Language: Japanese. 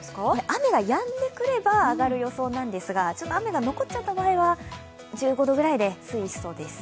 雨がやんでくれば上がる予想なんですが、雨が残っちゃった場合は１５度くらいで推移しそうです。